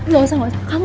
gak usah gak usah